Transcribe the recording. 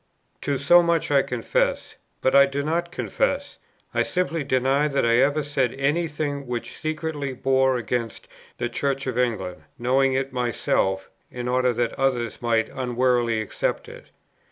To so much I confess; but I do not confess, I simply deny that I ever said any thing which secretly bore against the Church of England, knowing it myself, in order that others might unwarily accept it.